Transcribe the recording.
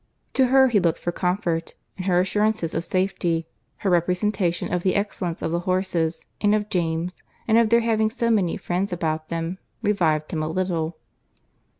To her he looked for comfort; and her assurances of safety, her representation of the excellence of the horses, and of James, and of their having so many friends about them, revived him a little.